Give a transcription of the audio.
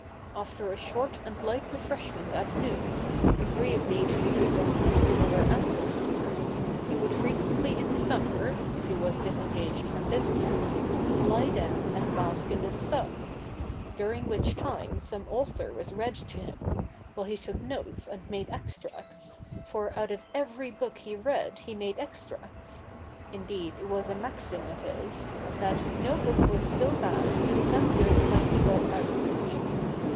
After a short and light refreshment at noon, agreeably to the good old custom of our ancestors, he would frequently in the summer, if he was disengaged from business, lie down and bask in the sun; during which time some author was read to him, while he took notes and made extracts, for out of every book he read he made extracts; indeed it was a maxim of his, that 'no book was so bad but some good might be got out of it.